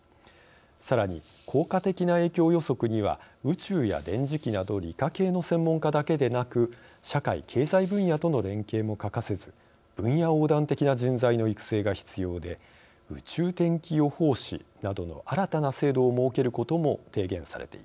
さらに効果的な影響予測には宇宙や電磁気など理科系の専門家だけでなく社会経済分野との連携も欠かせず分野横断的な人材の育成が必要で「宇宙天気予報士」などの新たな制度を設けることも提言されています。